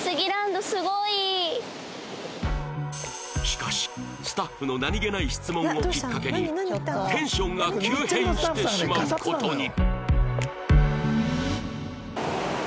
しかしスタッフの何げない質問をきっかけにテンションが急変してしまう事に